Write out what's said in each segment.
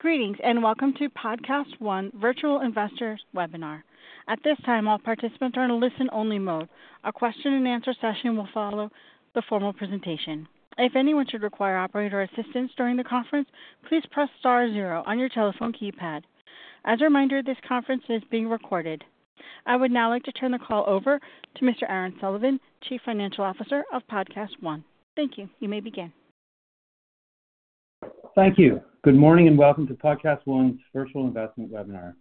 Greetings and welcome to PodcastOne Virtual Investors Webinar. At this time, all participants are in a listen-only mode. A Q&A session will follow the formal presentation. If anyone should require operator assistance during the conference, please press star zero on your telephone keypad. As a reminder, this conference is being recorded. I would now like to turn the call over to Mr. Aaron Sullivan, Chief Financial Officer of PodcastOne. Thank you. You may begin. Thank you. Good morning and welcome to PodcastOne's Virtual Investment Webinar.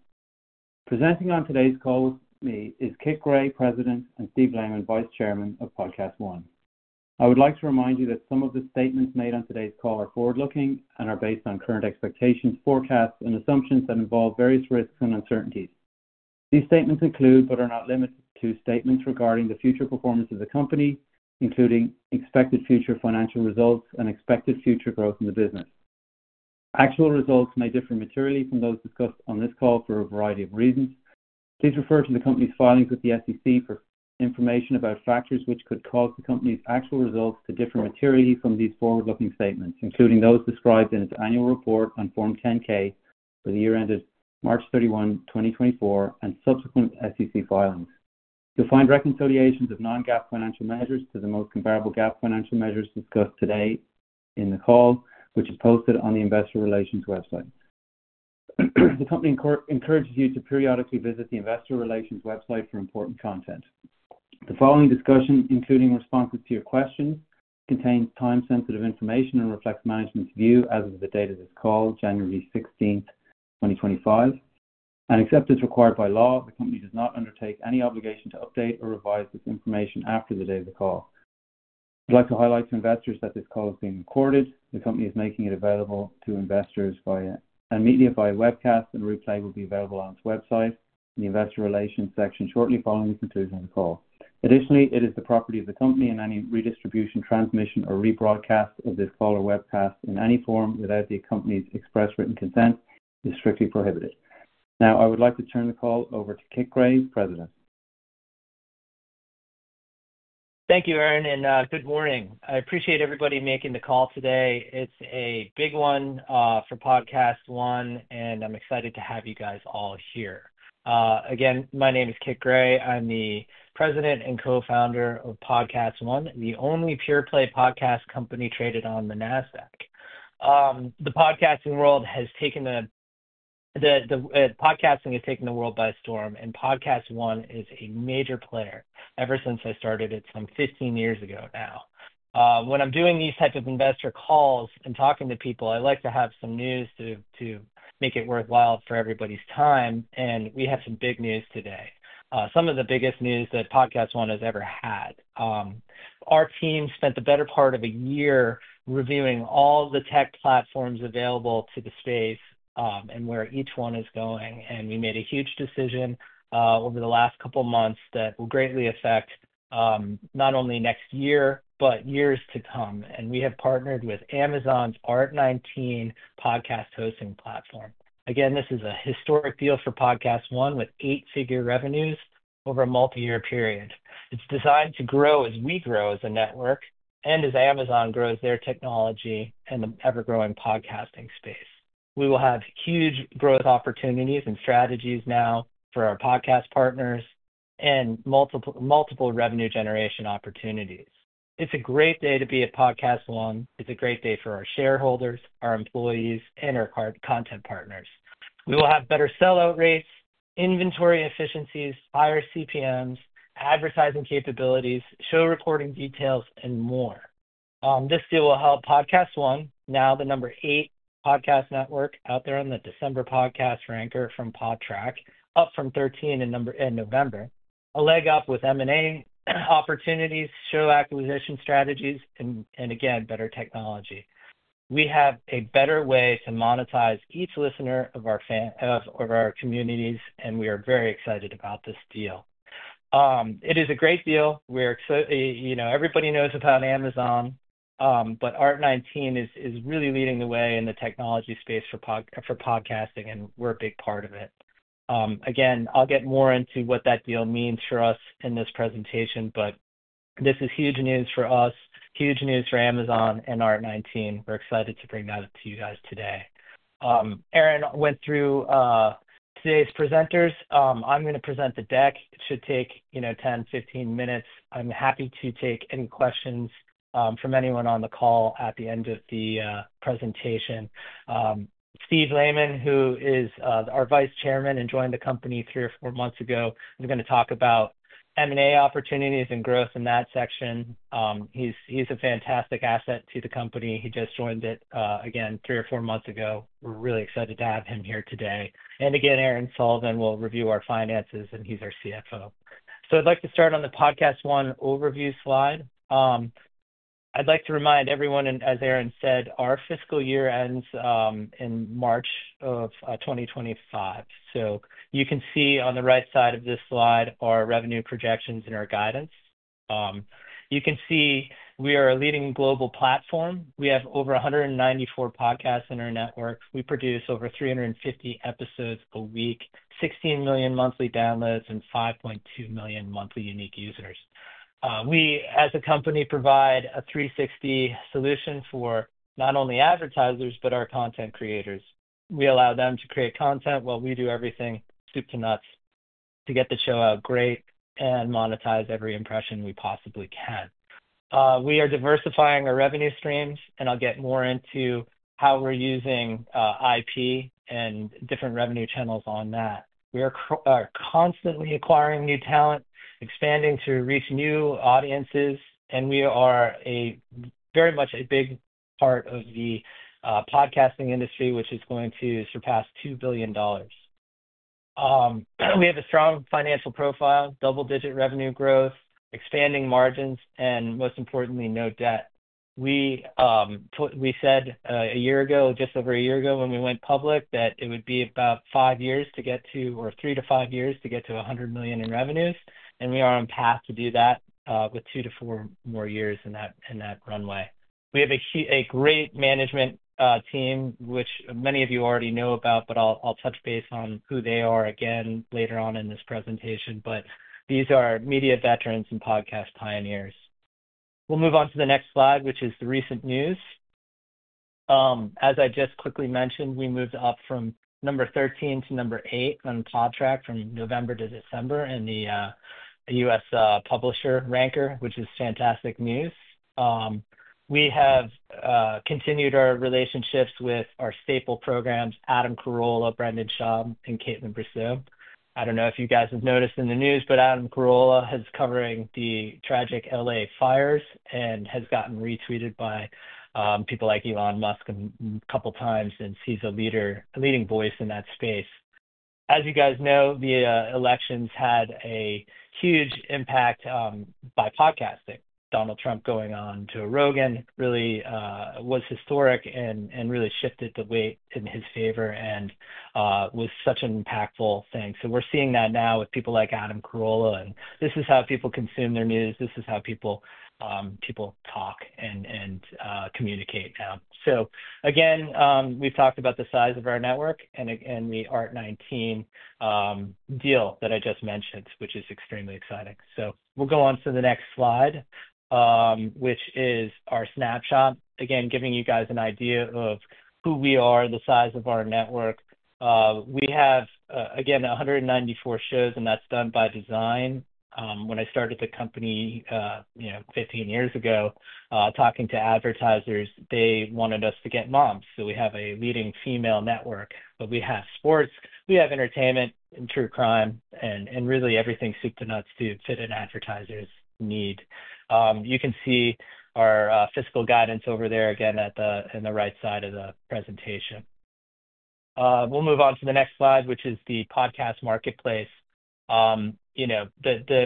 Presenting on today's call with me is Kit Gray, President, and Steve Lehman, Vice Chairman of PodcastOne. I would like to remind you that some of the statements made on today's call are forward-looking and are based on current expectations, forecasts, and assumptions that involve various risks and uncertainties. These statements include, but are not limited to, statements regarding the future performance of the company, including expected future financial results and expected future growth in the business. Actual results may differ materially from those discussed on this call for a variety of reasons. Please refer to the company's filings with the SEC for information about factors which could cause the company's actual results to differ materially from these forward-looking statements, including those described in its annual report on Form 10-K for the year ended March 31, 2024, and subsequent SEC filings. You'll find reconciliations of non-GAAP financial measures to the most comparable GAAP financial measures discussed today in the call, which is posted on the Investor Relations website. The company encourages you to periodically visit the Investor Relations website for important content. The following discussion, including responses to your questions, contains time-sensitive information and reflects management's view as of the date of this call, January 16th, 2025. Except as required by law, the company does not undertake any obligation to update or revise this information after the date of the call. I'd like to highlight to investors that this call is being recorded. The company is making it available to investors via audio and media via webcast, and a replay will be available on its website in the Investor Relations section shortly following the conclusion of the call. Additionally, it is the property of the company, and any redistribution, transmission, or rebroadcast of this call or webcast in any form without the company's express written consent is strictly prohibited. Now, I would like to turn the call over to Kit Gray, President. Thank you, Aaron, and good morning. I appreciate everybody making the call today. It's a big one for PodcastOne, and I'm excited to have you guys all here. Again, my name is Kit Gray. I'm the President and Co-Founder of PodcastOne, the only pure-play podcast company traded on the NASDAQ. The podcasting world has taken the world by storm, and PodcastOne is a major player ever since I started. It's some 15 years ago now. When I'm doing these types of investor calls and talking to people, I like to have some news to make it worthwhile for everybody's time, and we have some big news today. Some of the biggest news that PodcastOne has ever had. Our team spent the better part of a year reviewing all the tech platforms available to the space and where each one is going, and we made a huge decision over the last couple of months that will greatly affect not only next year but years to come. And we have partnered with Amazon's Art19 podcast hosting platform. Again, this is a historic deal for PodcastOne with eight-figure revenues over a multi-year period. It's designed to grow as we grow as a network and as Amazon grows their technology and the ever-growing podcasting space. We will have huge growth opportunities and strategies now for our podcast partners and multiple revenue generation opportunities. It's a great day to be at PodcastOne. It's a great day for our shareholders, our employees, and our content partners. We will have better sellout rates, inventory efficiencies, higher CPMs, advertising capabilities, show recording details, and more. This deal will help PodcastOne, now the number eight podcast network out there on the December podcast ranker from Podtrac, up from 13 in November, a leg up with M&A opportunities, show acquisition strategies, and again, better technology. We have a better way to monetize each listener of our communities, and we are very excited about this deal. It is a great deal. Everybody knows about Amazon, but Art19 is really leading the way in the technology space for podcasting, and we're a big part of it. Again, I'll get more into what that deal means for us in this presentation, but this is huge news for us, huge news for Amazon and Art19. We're excited to bring that up to you guys today. Aaron went through today's presenters. I'm going to present the deck. It should take 10, 15 minutes. I'm happy to take any questions from anyone on the call at the end of the presentation. Steve Lehman, who is our Vice Chairman and joined the company three or four months ago, is going to talk about M&A opportunities and growth in that section. He's a fantastic asset to the company. He just joined it again three or four months ago. We're really excited to have him here today. And again, Aaron Sullivan will review our finances, and he's our CFO. So I'd like to start on the PodcastOne overview slide. I'd like to remind everyone, and as Aaron said, our fiscal year ends in March of 2025. So you can see on the right side of this slide our revenue projections and our guidance. You can see we are a leading global platform. We have over 194 podcasts in our network. We produce over 350 episodes a week, 16 million monthly downloads, and 5.2 million monthly unique users. We, as a company, provide a 360 solution for not only advertisers but our content creators. We allow them to create content while we do everything soup to nuts to get the show out great and monetize every impression we possibly can. We are diversifying our revenue streams, and I'll get more into how we're using IP and different revenue channels on that. We are constantly acquiring new talent, expanding to reach new audiences, and we are very much a big part of the podcasting industry, which is going to surpass $2 billion. We have a strong financial profile, double-digit revenue growth, expanding margins, and most importantly, no debt. We said a year ago, just over a year ago when we went public, that it would be about five years to get to, or three to five years to get to 100 million in revenues, and we are on path to do that with two to four more years in that runway. We have a great management team, which many of you already know about, but I'll touch base on who they are again later on in this presentation. These are media veterans and podcast pioneers. We'll move on to the next slide, which is the recent news. As I just quickly mentioned, we moved up from number 13 to number eight on Podtrac from November to December in the U.S. publisher ranker, which is fantastic news. We have continued our relationships with our staple programs, Adam Carolla, Brendan Schaub, and Kaitlyn Bristowe. I don't know if you guys have noticed in the news, but Adam Carolla is covering the tragic LA fires and has gotten retweeted by people like Elon Musk a couple of times since he's a leading voice in that space. As you guys know, the elections had a huge impact by podcasting. Donald Trump going on to Joe Rogan really was historic and really shifted the weight in his favor and was such an impactful thing. So we're seeing that now with people like Adam Carolla, and this is how people consume their news. This is how people talk and communicate now. So again, we've talked about the size of our network and the Art19 deal that I just mentioned, which is extremely exciting. So we'll go on to the next slide, which is our snapshot, again, giving you guys an idea of who we are, the size of our network. We have, again, 194 shows, and that's done by design. When I started the company 15 years ago, talking to advertisers, they wanted us to get moms. So we have a leading female network, but we have sports, we have entertainment, and true crime, and really everything soup to nuts to fit in advertisers' need. You can see our fiscal guidance over there again in the right side of the presentation. We'll move on to the next slide, which is the podcast marketplace. The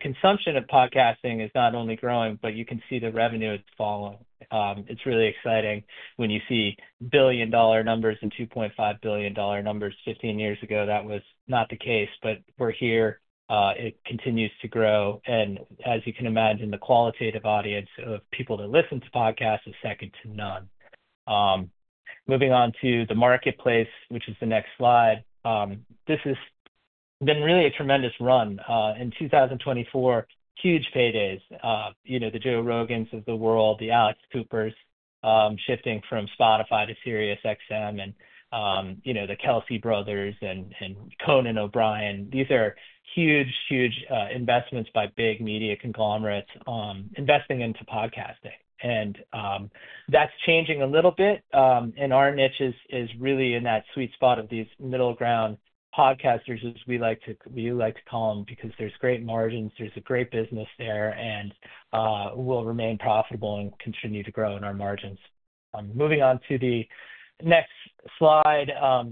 consumption of podcasting is not only growing, but you can see the revenue is falling. It's really exciting when you see billion-dollar numbers and $2.5 billion numbers. 15 years ago, that was not the case, but we're here. It continues to grow. And as you can imagine, the qualitative audience of people that listen to podcasts is second to none. Moving on to the marketplace, which is the next slide. This has been really a tremendous run. In 2024, huge paydays. The Joe Rogans of the world, the Alex Coopers shifting from Spotify to SiriusXM, and the Kelce Brothers and Conan O'Brien. These are huge, huge investments by big media conglomerates investing into podcasting. And that's changing a little bit, and our niche is really in that sweet spot of these middle-ground podcasters, as we like to call them, because there's great margins, there's a great business there, and we'll remain profitable and continue to grow in our margins. Moving on to the next slide,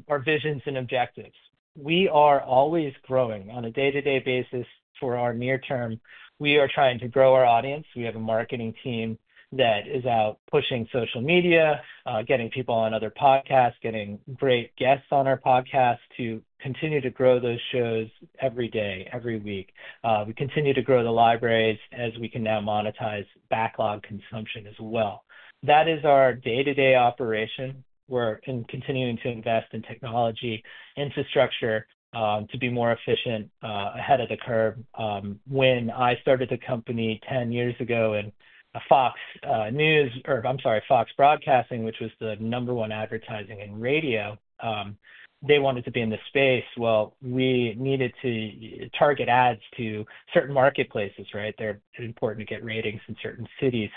our visions and objectives. We are always growing on a day-to-day basis for our near term. We are trying to grow our audience. We have a marketing team that is out pushing social media, getting people on other podcasts, getting great guests on our podcasts to continue to grow those shows every day, every week. We continue to grow the libraries as we can now monetize backlog consumption as well. That is our day-to-day operation. We're continuing to invest in technology, infrastructure to be more efficient ahead of the curve. When I started the company 10 years ago and Fox News or I'm sorry, Fox Broadcasting, which was the number one advertising and radio, they wanted to be in the space. Well, we needed to target ads to certain marketplaces, right? They're important to get ratings in certain cities.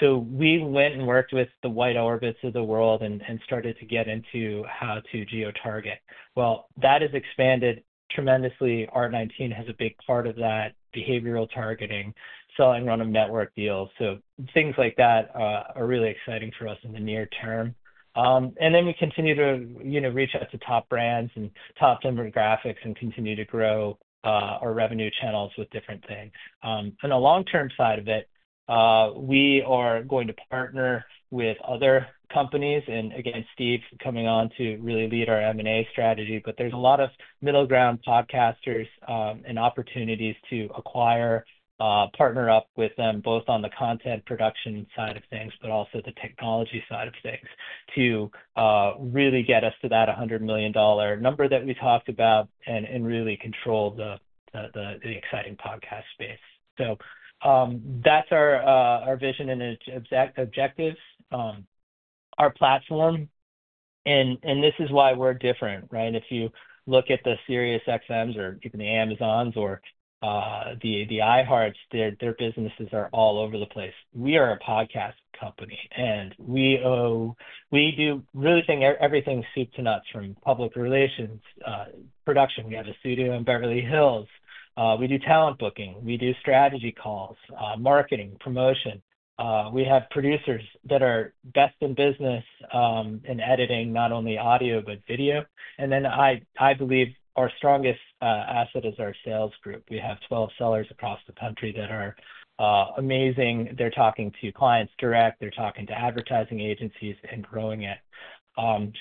So we went and worked with the WideOrbit of the world and started to get into how to geotarget. Well, that has expanded tremendously. Art19 has a big part of that behavioral targeting, selling on a network deal. So things like that are really exciting for us in the near term. And then we continue to reach out to top brands and top demographics and continue to grow our revenue channels with different things. On the long-term side of it, we are going to partner with other companies. And again, Steve coming on to really lead our M&A strategy, but there's a lot of middle-ground podcasters and opportunities to acquire, partner up with them both on the content production side of things, but also the technology side of things to really get us to that $100 million number that we talked about and really control the exciting podcast space. So that's our vision and objectives. Our platform, and this is why we're different, right? If you look at the SiriusXMs or even the Amazons or the iHearts, their businesses are all over the place. We are a podcast company, and we do really think everything soup to nuts from public relations, production. We have a studio in Beverly Hills. We do talent booking. We do strategy calls, marketing, promotion. We have producers that are best in business in editing, not only audio but video. And then I believe our strongest asset is our sales group. We have 12 sellers across the country that are amazing. They're talking to clients direct. They're talking to advertising agencies and growing it.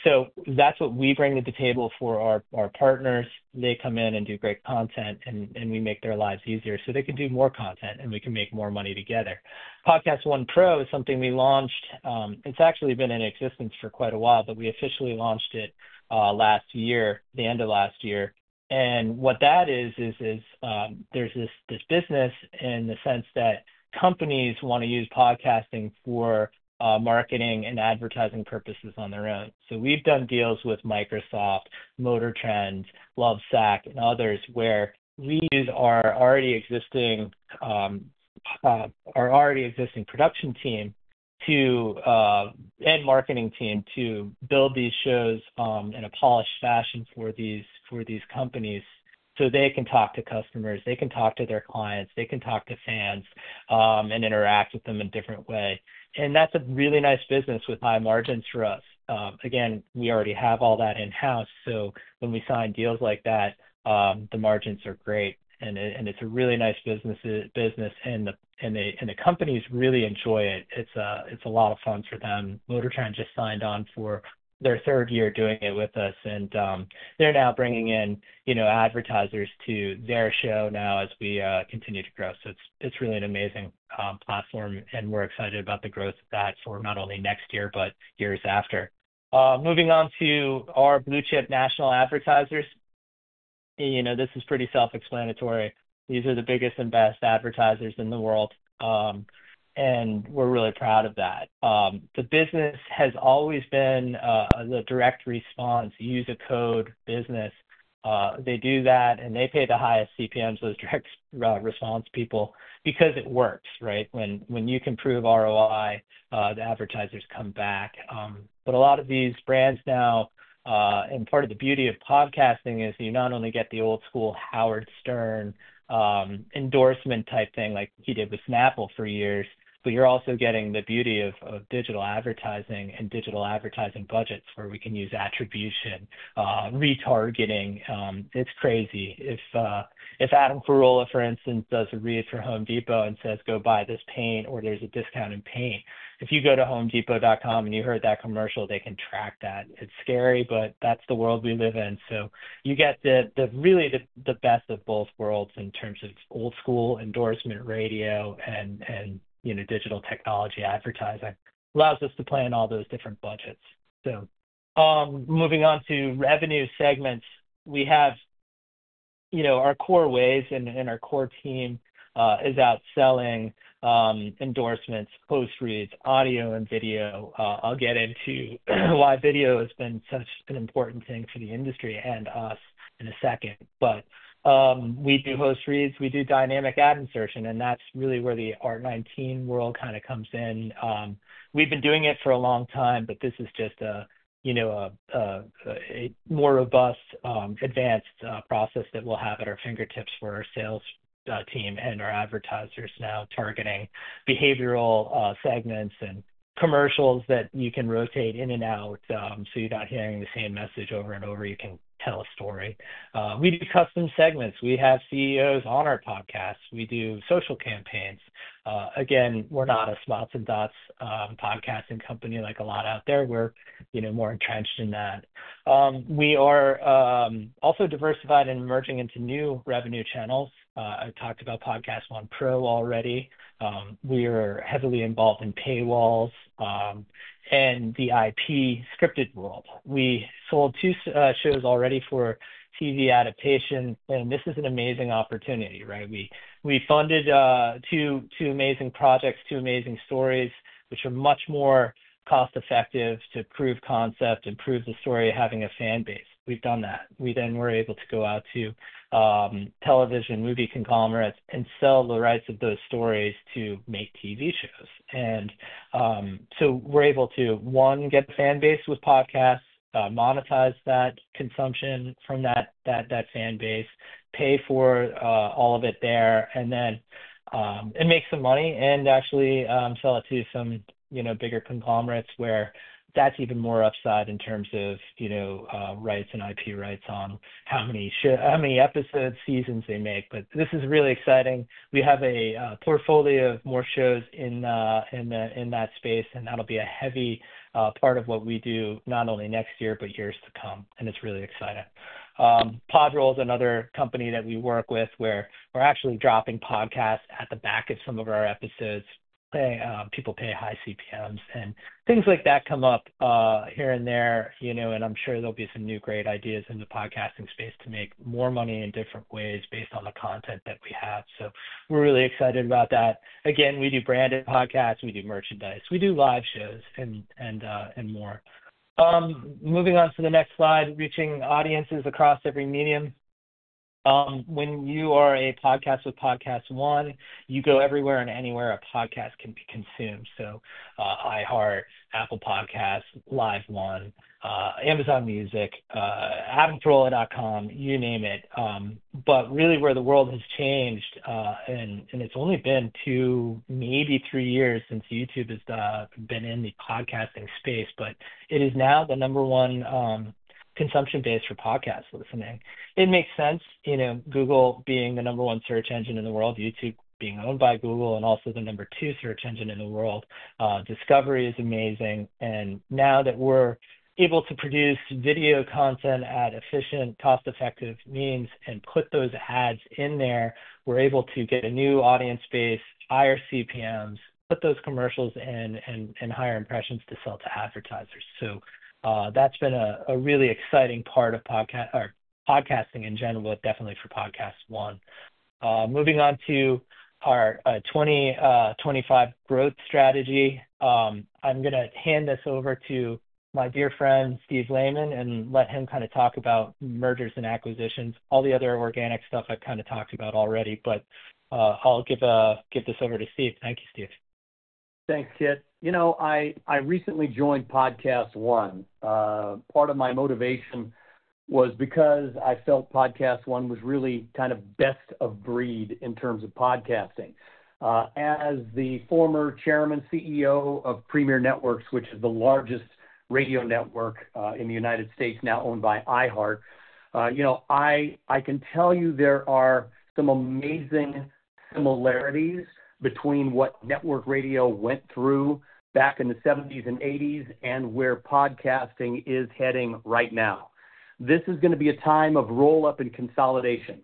So that's what we bring to the table for our partners. They come in and do great content, and we make their lives easier so they can do more content and we can make more money together. PodcastOne Pro is something we launched. It's actually been in existence for quite a while, but we officially launched it last year, the end of last year. What that is, is there's this business in the sense that companies want to use podcasting for marketing and advertising purposes on their own. So we've done deals with Microsoft, MotorTrend, Lovesac, and others where we use our already existing production team and marketing team to build these shows in a polished fashion for these companies so they can talk to customers, they can talk to their clients, they can talk to fans and interact with them in a different way. That's a really nice business with high margins for us. Again, we already have all that in-house. So when we sign deals like that, the margins are great, and it's a really nice business, and the companies really enjoy it. It's a lot of fun for them. MotorTrend just signed on for their third year doing it with us, and they're now bringing in advertisers to their show now as we continue to grow. So it's really an amazing platform, and we're excited about the growth of that for not only next year but years after. Moving on to our blue-chip national advertisers. This is pretty self-explanatory. These are the biggest and best advertisers in the world, and we're really proud of that. The business has always been the direct response use case business. They do that, and they pay the highest CPMs, those direct response people, because it works, right? When you can prove ROI, the advertisers come back. But a lot of these brands now, and part of the beauty of podcasting is you not only get the old-school Howard Stern endorsement type thing like he did with Snapple for years, but you're also getting the beauty of digital advertising and digital advertising budgets where we can use attribution, retargeting. It's crazy. If Adam Carolla, for instance, does a read for Home Depot and says, "Go buy this paint," or there's a discount in paint, if you go to HomeDepot.com and you heard that commercial, they can track that. It's scary, but that's the world we live in. So you get really the best of both worlds in terms of old-school endorsement radio and digital technology advertising allows us to plan all those different budgets. So moving on to revenue segments, we have our core ways, and our core team is out selling endorsements, post-reads, audio, and video. I'll get into why video has been such an important thing for the industry and us in a second. But we do host reads. We do dynamic ad insertion, and that's really where the Art19 world kind of comes in. We've been doing it for a long time, but this is just a more robust, advanced process that we'll have at our fingertips for our sales team and our advertisers now targeting behavioral segments and commercials that you can rotate in and out so you're not hearing the same message over and over. You can tell a story. We do custom segments. We have CEOs on our podcasts. We do social campaigns. Again, we're not a spots and dots podcasting company like a lot out there. We're more entrenched in that. We are also diversified and emerging into new revenue channels. I talked about PodcastOne Pro already. We are heavily involved in paywalls and the IP scripted world. We sold two shows already for TV adaptation, and this is an amazing opportunity, right? We funded two amazing projects, two amazing stories, which are much more cost-effective to prove concept, improve the story, having a fan base. We've done that. We then were able to go out to television movie conglomerates and sell the rights of those stories to make TV shows. And so we're able to, one, get a fan base with podcasts, monetize that consumption from that fan base, pay for all of it there, and then make some money and actually sell it to some bigger conglomerates where that's even more upside in terms of rights and IP rights on how many episodes, seasons they make. But this is really exciting. We have a portfolio of more shows in that space, and that'll be a heavy part of what we do not only next year but years to come, and it's really exciting. Podroll is another company that we work with where we're actually dropping podcasts at the back of some of our episodes. People pay high CPMs, and things like that come up here and there, and I'm sure there'll be some new great ideas in the podcasting space to make more money in different ways based on the content that we have, so we're really excited about that. Again, we do branded podcasts. We do merchandise. We do live shows and more. Moving on to the next slide, reaching audiences across every medium. When you are a podcast with PodcastOne, you go everywhere and anywhere a podcast can be consumed. iHeart, Apple Podcasts, LiveOne, Amazon Music, AdamCarolla.com, you name it. But really, where the world has changed, and it's only been two, maybe three years since YouTube has been in the podcasting space, but it is now the number one consumption base for podcast listening. It makes sense. Google being the number one search engine in the world, YouTube being owned by Google, and also the number two search engine in the world. Discovery is amazing. And now that we're able to produce video content at efficient, cost-effective means and put those ads in there, we're able to get a new audience base, higher CPMs, put those commercials in, and higher impressions to sell to advertisers. So that's been a really exciting part of podcasting in general, definitely for PodcastOne. Moving on to our 2025 growth strategy, I'm going to hand this over to my dear friend, Steve Lehman, and let him kind of talk about mergers and acquisitions, all the other organic stuff I've kind of talked about already. But I'll give this over to Steve. Thank you, Steve. Thanks, Kit. I recently joined PodcastOne. Part of my motivation was because I felt PodcastOne was really kind of best of breed in terms of podcasting. As the former Chairman, CEO of Premiere Networks, which is the largest radio network in the United States now owned by iHeart, I can tell you there are some amazing similarities between what network radio went through back in the '70s and '80s and where podcasting is heading right now. This is going to be a time of roll-up and consolidation.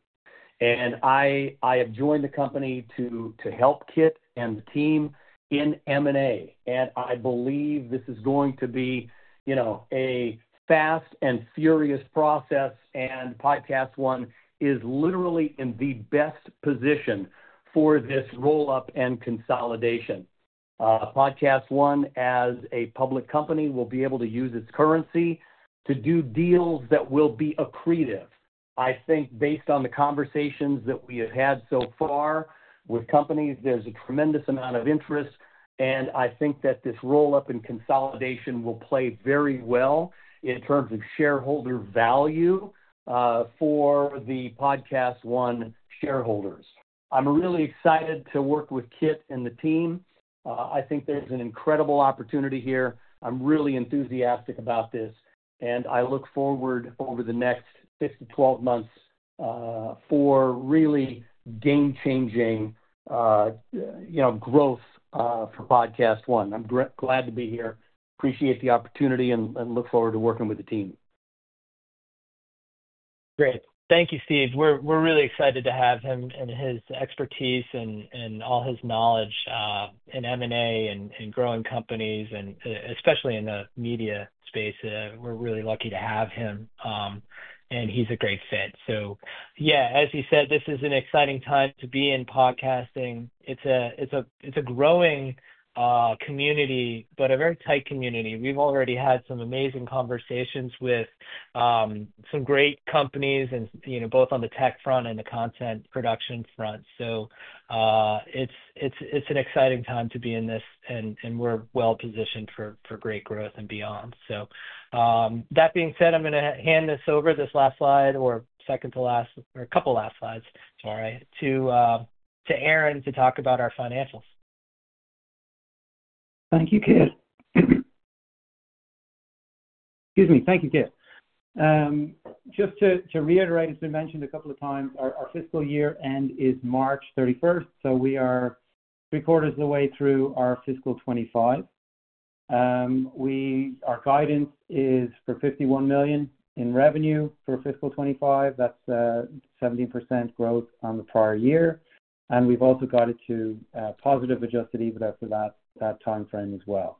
I have joined the company to help Kit and the team in M&A. I believe this is going to be a fast and furious process, and PodcastOne is literally in the best position for this roll-up and consolidation. PodcastOne, as a public company, will be able to use its currency to do deals that will be accretive. I think based on the conversations that we have had so far with companies, there's a tremendous amount of interest. I think that this roll-up and consolidation will play very well in terms of shareholder value for the PodcastOne shareholders. I'm really excited to work with Kit and the team. I think there's an incredible opportunity here. I'm really enthusiastic about this, and I look forward over the next six to 12 months for really game-changing growth for PodcastOne. I'm glad to be here. Appreciate the opportunity and look forward to working with the team. Great. Thank you, Steve. We're really excited to have him and his expertise and all his knowledge in M&A and growing companies, and especially in the media space. We're really lucky to have him, and he's a great fit. So, as you said, this is an exciting time to be in podcasting. It's a growing community, but a very tight community. We've already had some amazing conversations with some great companies, both on the tech front and the content production front. So it's an exciting time to be in this, and we're well-positioned for great growth and beyond. So that being said, I'm going to hand this over, this last slide or second to last or a couple last slides, sorry, to Aaron to talk about our financials. Thank you, Kit. Excuse me. Thank you, Kit. Just to reiterate, it's been mentioned a couple of times. Our fiscal year end is March 31st. So we are three quarters of the way through our FY 2025. Our guidance is for $51 million in revenue for FY 2025. That's 17% growth on the prior year. And we've also got it to positive adjusted EBITDA for that timeframe as well.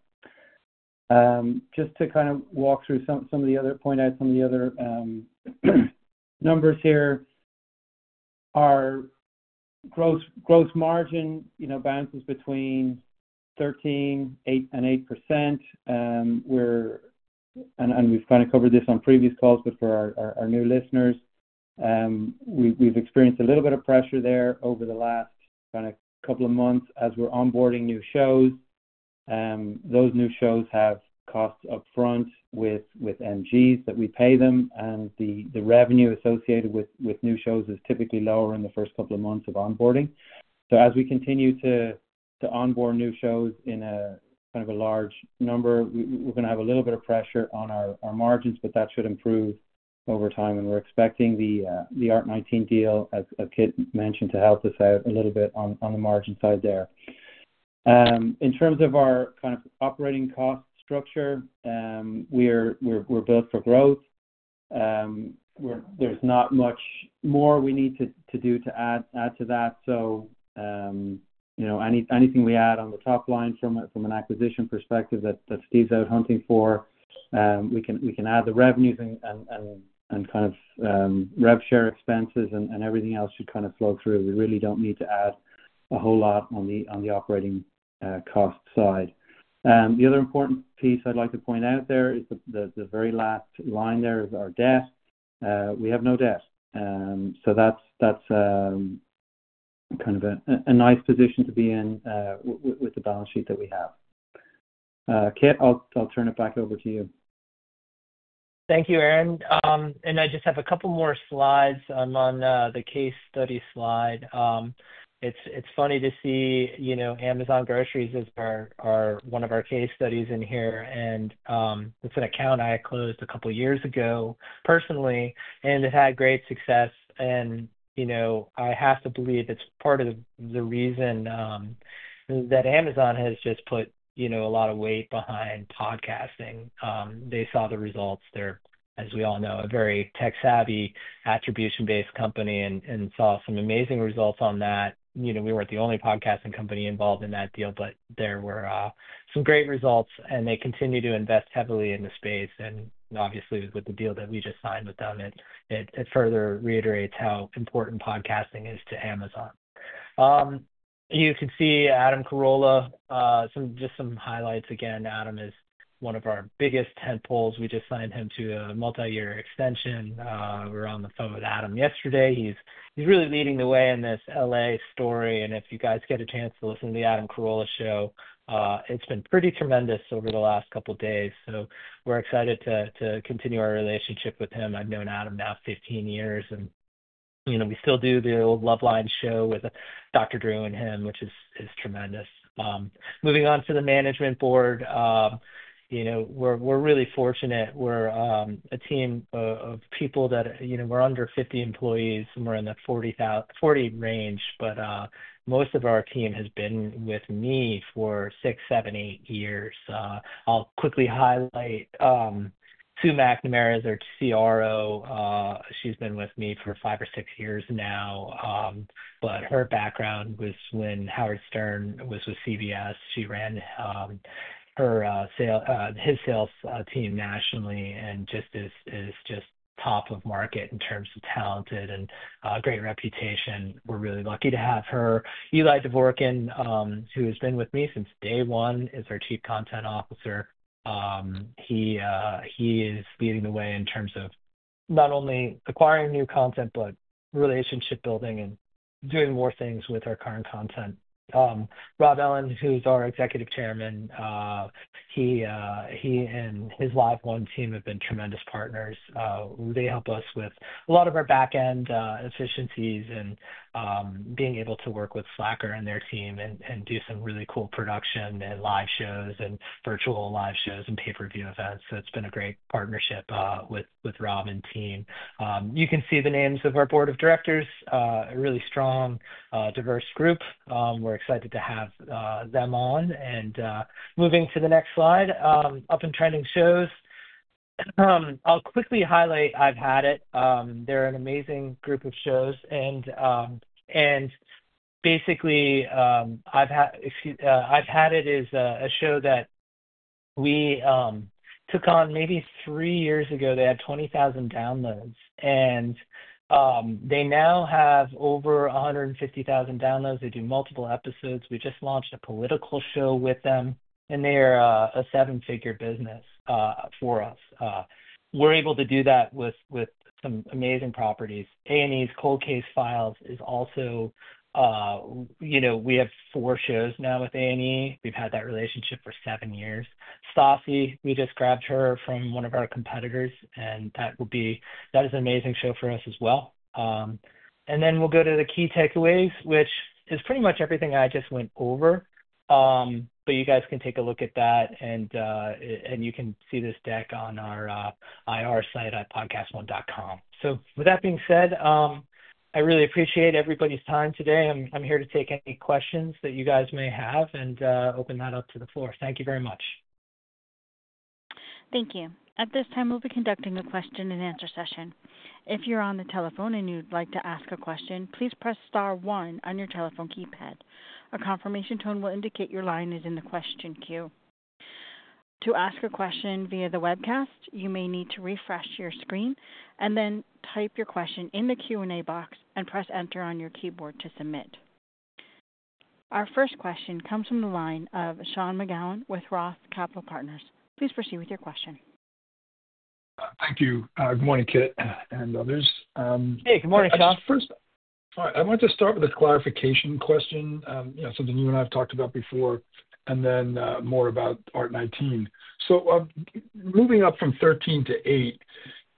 Just to kind of walk through some of the other numbers here. Our gross margin bounces between 13% and 8%. And we've kind of covered this on previous calls, but for our new listeners, we've experienced a little bit of pressure there over the last kind of couple of months as we're onboarding new shows. Those new shows have costs upfront with MGs that we pay them. The revenue associated with new shows is typically lower in the first couple of months of onboarding. As we continue to onboard new shows in kind of a large number, we're going to have a little bit of pressure on our margins, but that should improve over time. We're expecting the Art19 deal, as Kit mentioned, to help us out a little bit on the margin side there. In terms of our kind of operating cost structure, we're built for growth. There's not much more we need to do to add to that. Anything we add on the top line from an acquisition perspective that Steve's out hunting for, we can add the revenues and kind of rev share expenses and everything else should kind of flow through. We really don't need to add a whole lot on the operating cost side. The other important piece I'd like to point out there is the very last line there is our debt. We have no debt. So that's kind of a nice position to be in with the balance sheet that we have. Kit, I'll turn it back over to you. Thank you, Aaron. And I just have a couple more slides. I'm on the case study slide. It's funny to see Amazon Groceries as one of our case studies in here. And it's an account I closed a couple of years ago personally, and it had great success. And I have to believe it's part of the reason that Amazon has just put a lot of weight behind podcasting. They saw the results. They're, as we all know, a very tech-savvy attribution-based company and saw some amazing results on that. We weren't the only podcasting company involved in that deal, but there were some great results, and they continue to invest heavily in the space, and obviously, with the deal that we just signed with them, it further reiterates how important podcasting is to Amazon. You can see Adam Carolla, just some highlights. Again, Adam is one of our biggest tentpoles. We just signed him to a multi-year extension. We were on the phone with Adam yesterday. He's really leading the way in this LA story, and if you guys get a chance to listen to the Adam Carolla Show, it's been pretty tremendous over the last couple of days, so we're excited to continue our relationship with him. I've known Adam now 15 years, and we still do the old Loveline show with Dr. Drew and him, which is tremendous. Moving on to the management board, we're really fortunate. We're a team of people that we're under 50 employees, and we're in the 40 range. But most of our team has been with me for six, seven, eight years. I'll quickly highlight Sue McNamara as our CRO. She's been with me for five or six years now. But her background was when Howard Stern was with CBS. She ran his sales team nationally and just is top of market in terms of talented and a great reputation. We're really lucky to have her. Eli Dvorkin, who has been with me since day one, is our Chief Content Officer. He is leading the way in terms of not only acquiring new content, but relationship building and doing more things with our current content. Rob Ellin, who's our Executive Chairman, he and his LiveOne team have been tremendous partners. They help us with a lot of our backend efficiencies and being able to work with Slacker and their team and do some really cool production and live shows and virtual live shows and pay-per-view events. So it's been a great partnership with Rob and team. You can see the names of our board of directors. A really strong, diverse group. We're excited to have them on. And moving to the next slide, up and trending shows. I'll quickly highlight I've Had It. They're an amazing group of shows. And basically, I've Had It as a show that we took on maybe three years ago. They had 20,000 downloads, and they now have over 150,000 downloads. They do multiple episodes. We just launched a political show with them, and they are a seven-figure business for us. We're able to do that with some amazing properties. A&E's Cold Case Files is also. We have four shows now with A&E. We've had that relationship for seven years. Stassi, we just grabbed her from one of our competitors, and that is an amazing show for us as well, and then we'll go to the key takeaways, which is pretty much everything I just went over, but you guys can take a look at that, and you can see this deck on our IR site, PodcastOne.com. So with that being said, I really appreciate everybody's time today. I'm here to take any questions that you guys may have and open that up to the floor. Thank you very much. Thank you. At this time, we'll be conducting a Q&A session. If you're on the telephone and you'd like to ask a question, please press star one on your telephone keypad. A confirmation tone will indicate your line is in the question queue. To ask a question via the webcast, you may need to refresh your screen and then type your question in the Q&A box and press enter on your keyboard to submit. Our first question comes from the line of Sean McGowan with Roth Capital Partners. Please proceed with your question. Thank you. Good morning, Kit and others. Good morning, Sean. All right. I wanted to start with a clarification question, something you and I have talked about before, and then more about Art19. So moving up from 13 to eight,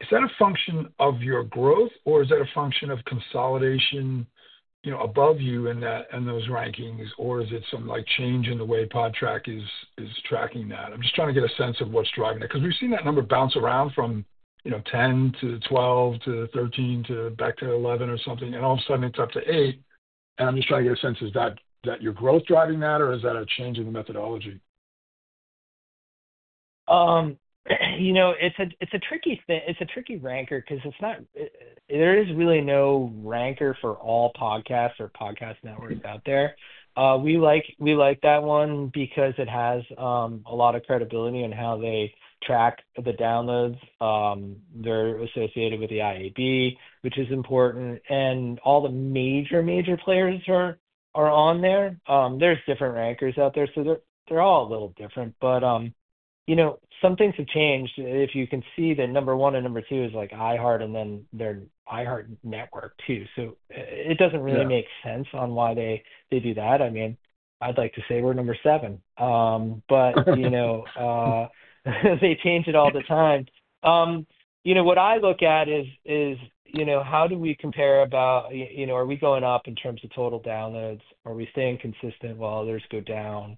is that a function of your growth, or is that a function of consolidation above you in those rankings, or is it some change in the way Podtrac is tracking that? I'm just trying to get a sense of what's driving it. Because we've seen that number bounce around from 10 to 12 to 13 to back to 11 or something, and all of a sudden, it's up to eight. And I'm just trying to get a sense. Is that your growth driving that, or is that a change in the methodology? It's a tricky ranking because there is really no ranker for all podcasts or podcast networks out there. We like that one because it has a lot of credibility in how they track the downloads. They're associated with the IAB, which is important. And all the major, major players are on there. There's different rankers out there, so they're all a little different. But some things have changed. If you can see that number one and number two is like iHeart, and then they're iHeart Network too. So it doesn't really make sense on why they do that. I mean, I'd like to say we're number seven, but they change it all the time. What I look at is how do we compare about are we going up in terms of total downloads? Are we staying consistent while others go down?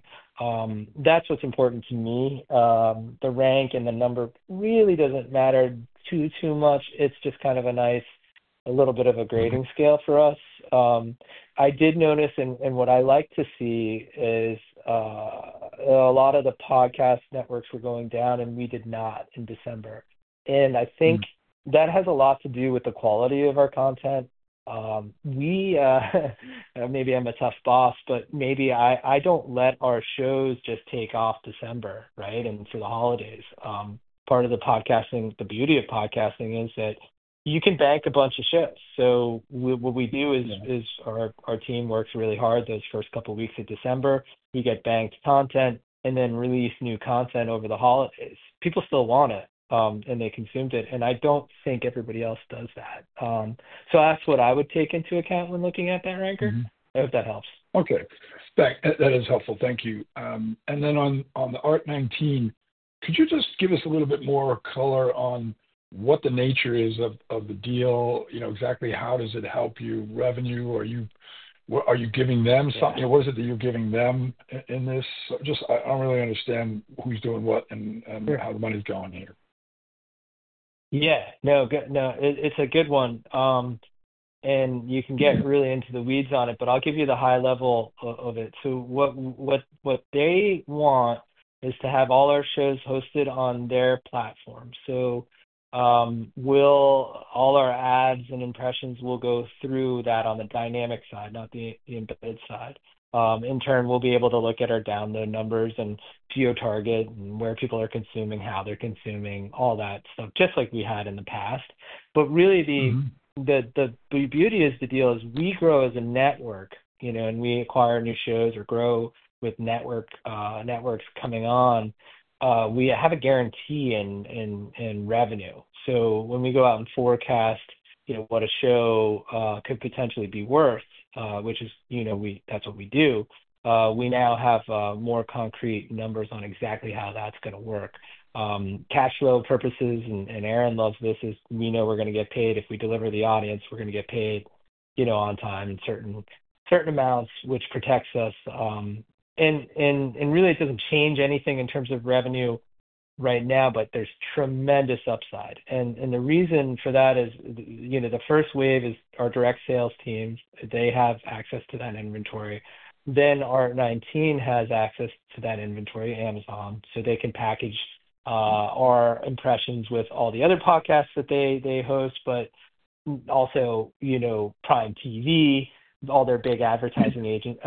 That's what's important to me. The rank and the number really doesn't matter too much. It's just kind of a nice little bit of a grading scale for us. I did notice, and what I like to see is a lot of the podcast networks were going down, and we did not in December. And I think that has a lot to do with the quality of our content. Maybe I'm a tough boss, but maybe I don't let our shows just take off December, right, and for the holidays. Part of the beauty of podcasting is that you can bank a bunch of shows. So what we do is our team works really hard those first couple of weeks of December. We get banked content and then release new content over the holidays. People still want it, and they consumed it. And I don't think everybody else does that. So that's what I would take into account when looking at that ranker. I hope that helps. Okay. That is helpful. Thank you. And then on the Art19, could you just give us a little bit more color on what the nature is of the deal? Exactly how does it help you? Revenue? Are you giving them something? What is it that you're giving them in this? I don't really understand who's doing what and how the money's going here. No, it's a good one. And you can get really into the weeds on it, but I'll give you the high level of it. So what they want is to have all our shows hosted on their platform. So all our ads and impressions will go through that on the dynamic side, not the embedded side. In turn, we'll be able to look at our download numbers and geotargeting and where people are consuming, how they're consuming, all that stuff, just like we had in the past. But really, the beauty of the deal is we grow as a network, and we acquire new shows or grow with networks coming on. We have a guarantee in revenue. So when we go out and forecast what a show could potentially be worth, which that's what we do, we now have more concrete numbers on exactly how that's going to work. Cash flow purposes, and Aaron loves this, is we know we're going to get paid. If we deliver the audience, we're going to get paid on time in certain amounts, which protects us, and really, it doesn't change anything in terms of revenue right now, but there's tremendous upside, and the reason for that is the first wave is our direct sales team. They have access to that inventory. Then Art19 has access to that inventory, Amazon. So they can package our impressions with all the other podcasts that they host, but also Prime TV, all their big advertising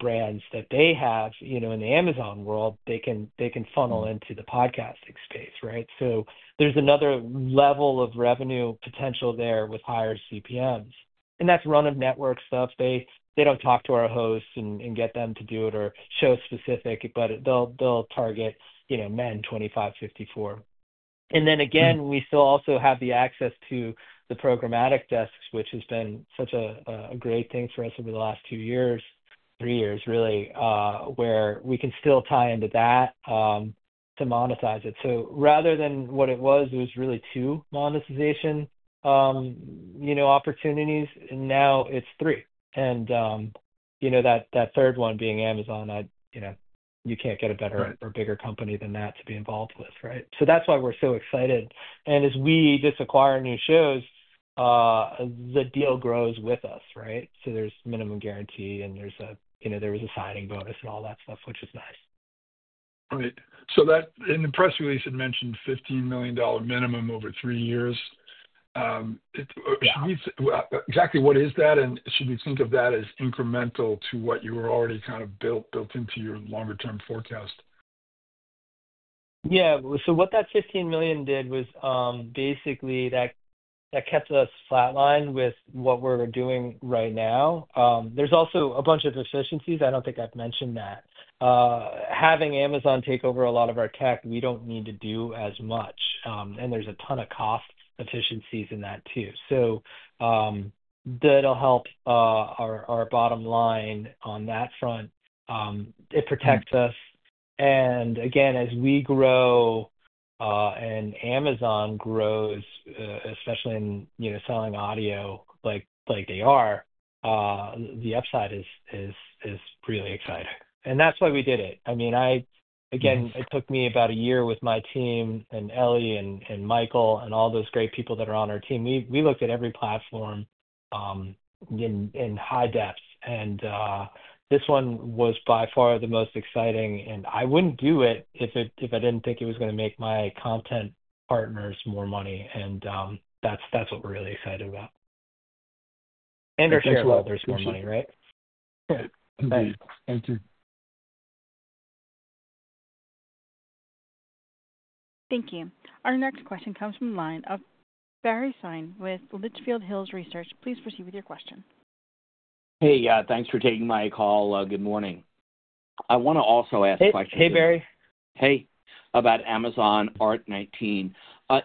brands that they have in the Amazon world, they can funnel into the podcasting space, right? So there's another level of revenue potential there with higher CPMs, and that's run-of-network stuff. They don't talk to our hosts and get them to do it or show specific, but they'll target men 25-54. And then again, we still also have the access to the programmatic desks, which has been such a great thing for us over the last two years, three years, really, where we can still tie into that to monetize it. So rather than what it was, it was really two monetization opportunities. Now it's three. And that third one being Amazon, you can't get a better or bigger company than that to be involved with, right? So that's why we're so excited. And as we just acquire new shows, the deal grows with us, right? So there's minimum guarantee, and there was a signing bonus and all that stuff, which is nice. Right. So in the press release, it mentioned $15 million minimum over three years. Exactly what is that? And should we think of that as incremental to what you were already kind of built into your longer-term forecast? So what that $15 million did was basically that kept us flatlined with what we're doing right now. There's also a bunch of efficiencies. I don't think I've mentioned that. Having Amazon take over a lot of our tech, we don't need to do as much, and there's a ton of cost efficiencies in that too. So that'll help our bottom line on that front. It protects us. And again, as we grow and Amazon grows, especially in selling audio like they are, the upside is really exciting. And that's why we did it. I mean, again, it took me about a year with my team and Eli and Michael and all those great people that are on our team. We looked at every platform in high depth. And this one was by far the most exciting. I wouldn't do it if I didn't think it was going to make my content partners more money. And that's what we're really excited about. And our shareholders more money, right? Thank you. Thank you. Thank you. Our next question comes from the line of Barry Sine with Litchfield Hills Research. Please proceed with your question. Thanks for taking my call. Good morning. I want to also ask a question. Hey, Barry. About Amazon Art19.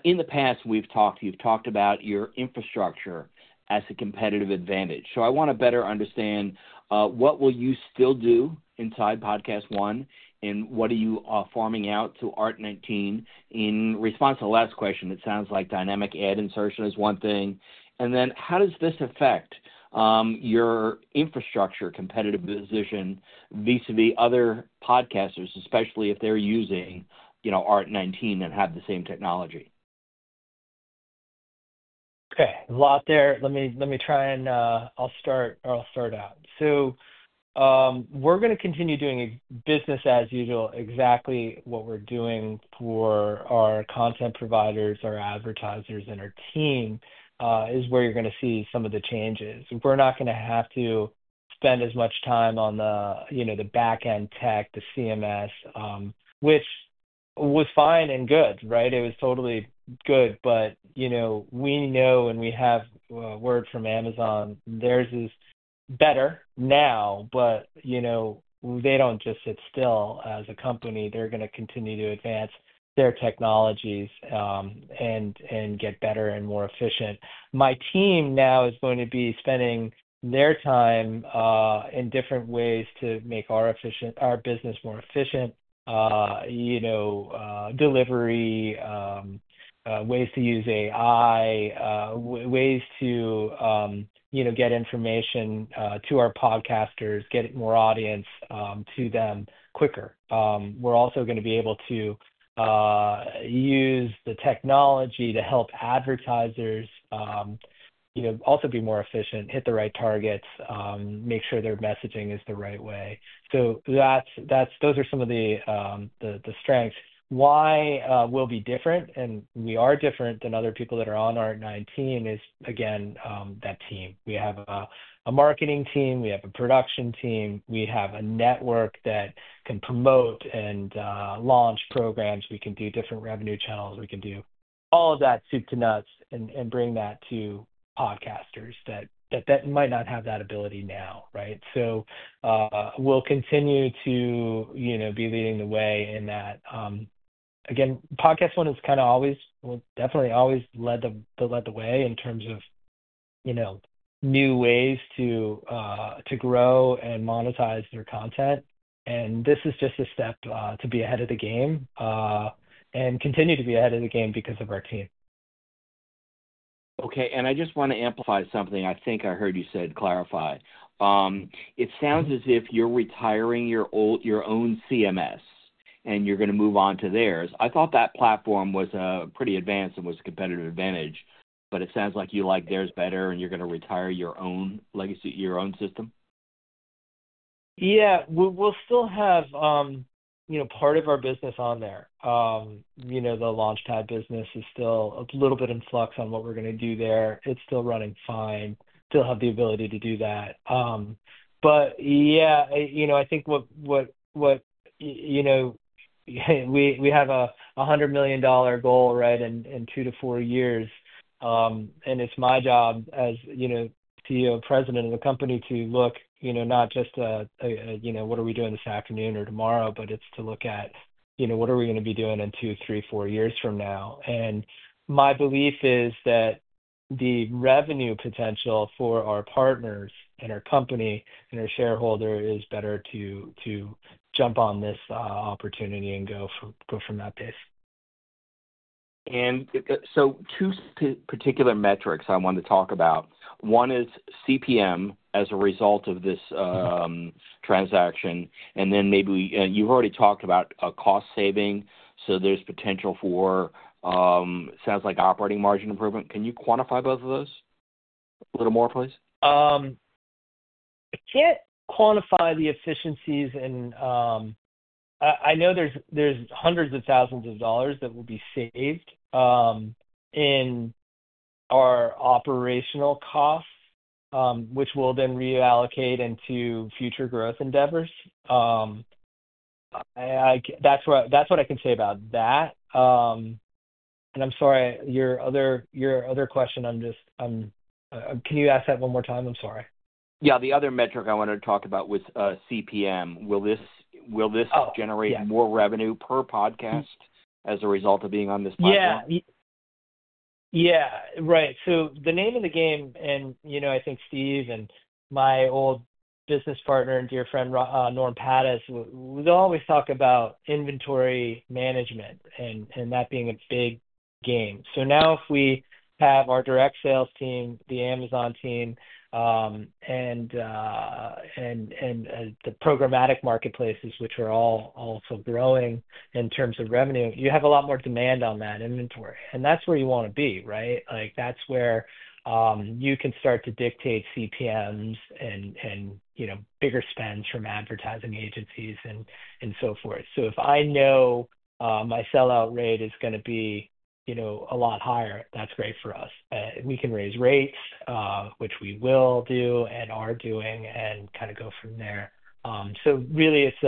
In the past, we've talked. You've talked about your infrastructure as a competitive advantage. So I want to better understand what will you still do inside PodcastOne, and what are you farming out to Art19? In response to the last question, it sounds like dynamic ad insertion is one thing. And then how does this affect your infrastructure competitive position vis-à-vis other podcasters, especially if they're using Art19 and have the same technology? Okay. A lot there. Let me try and I'll start out. So we're going to continue doing business as usual. Exactly what we're doing for our content providers, our advertisers, and our team is where you're going to see some of the changes. We're not going to have to spend as much time on the backend tech, the CMS, which was fine and good, right? It was totally good. But we know and we have word from Amazon, theirs is better now, but they don't just sit still as a company. They're going to continue to advance their technologies and get better and more efficient. My team now is going to be spending their time in different ways to make our business more efficient: delivery, ways to use AI, ways to get information to our podcasters, get more audience to them quicker. We're also going to be able to use the technology to help advertisers also be more efficient, hit the right targets, make sure their messaging is the right way. So those are some of the strengths. Why we'll be different and we are different than other people that are on Art19 is, again, that team. We have a marketing team. We have a production team. We have a network that can promote and launch programs. We can do different revenue channels. We can do all of that soup to nuts and bring that to podcasters that might not have that ability now, right? So we'll continue to be leading the way in that. Again, PodcastOne has kind of definitely always led the way in terms of new ways to grow and monetize their content, and this is just a step to be ahead of the game and continue to be ahead of the game because of our team. Okay. And I just want to amplify something. I think I heard you say clarify. It sounds as if you're retiring your own CMS and you're going to move on to theirs. I thought that platform was pretty advanced and was a competitive advantage, but it sounds like you like theirs better and you're going to retire your own system. We'll still have part of our business on there. The launch type business is still a little bit in flux on what we're going to do there. It's still running fine. Still have the ability to do that. But I think what we have a $100 million goal, right, in two to four years. And it's my job as CEO and President of the company to look not just at what are we doing this afternoon or tomorrow, but it's to look at what are we going to be doing in two, three, four years from now. And my belief is that the revenue potential for our partners and our company and our shareholder is better to jump on this opportunity and go from that base. And so two particular metrics I want to talk about. One is CPM as a result of this transaction. And then maybe you've already talked about a cost saving. So there's potential for, sounds like, operating margin improvement. Can you quantify both of those a little more, please? I can't quantify the efficiencies. And I know there's hundreds of thousands of dollars that will be saved in our operational costs, which we'll then reallocate into future growth endeavors. That's what I can say about that. And I'm sorry, your other question, can you ask that one more time? I'm sorry. The other metric I wanted to talk about was CPM. Will this generate more revenue per podcast as a result of being on this platform? Right. So the name of the game, and I think Steve and my old business partner and dear friend, Norm Pattiz, we always talk about inventory management and that being a big game. So now if we have our direct sales team, the Amazon team, and the programmatic marketplaces, which are all also growing in terms of revenue, you have a lot more demand on that inventory. And that's where you want to be, right? That's where you can start to dictate CPMs and bigger spends from advertising agencies and so forth. So if I know my sell-out rate is going to be a lot higher, that's great for us. We can raise rates, which we will do and are doing, and kind of go from there. So really, it's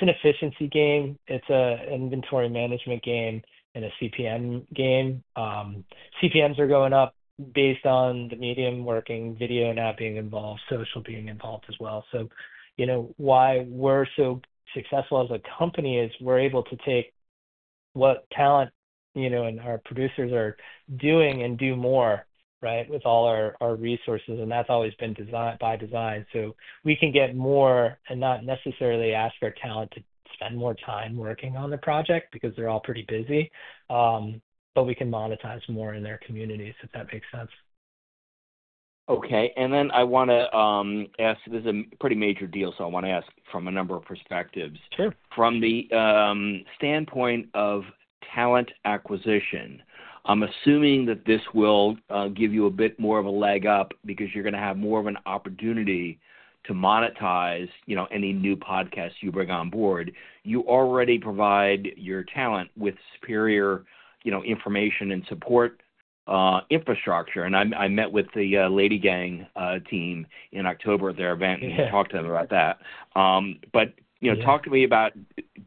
an efficiency game. It's an inventory management game and a CPM game. CPMs are going up based on the medium working, video not being involved, social being involved as well. So why we're so successful as a company is we're able to take what talent and our producers are doing and do more, right, with all our resources, and that's always been by design. So we can get more and not necessarily ask our talent to spend more time working on the project because they're all pretty busy, but we can monetize more in their communities, if that makes sense. Okay. And then I want to ask. This is a pretty major deal, so I want to ask from a number of perspectives. From the standpoint of talent acquisition, I'm assuming that this will give you a bit more of a leg up because you're going to have more of an opportunity to monetize any new podcasts you bring on board. You already provide your talent with superior information and support infrastructure. And I met with the LadyGang team in October at their event and talked to them about that. But talk to me about